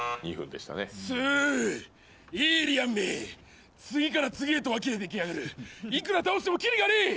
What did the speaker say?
エイリアンめ次から次へとわき出てきやがるいくら倒してもきりがねえ！